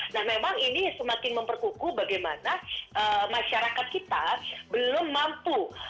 nah memang ini semakin memperkuku bagaimana masyarakat kita belum mampu